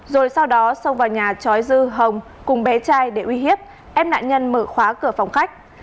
rồi sau đó xông vào nhà chói dư hồng cùng bé trai để uy hiếp ép nạn nhân mở khóa cửa phòng khách